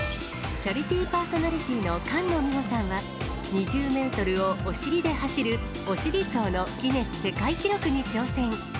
チャリティーパーソナリティーの菅野美穂さんは、２０メートルをお尻で走るお尻走のギネス世界記録に挑戦。